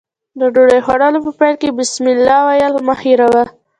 د ډوډۍ خوړلو په پیل کې بسمالله ويل مه هېروه.